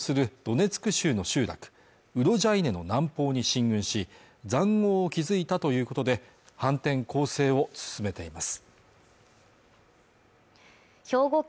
またウクライナ軍は奪還したとするドネツク州の集落ウロジェイネの南方に進軍し塹壕を築いたということで反転攻勢を進めています